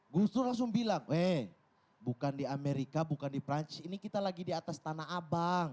gus dur langsung bilang weh bukan di amerika bukan di perancis ini kita lagi di atas tanah abang